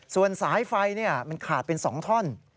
ส่วนสายไฟมันขาดเป็น๒ท่อน